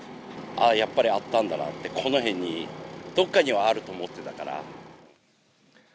ああ、やっぱりあったんだなって、この辺に、どこかにはあると思ってたから。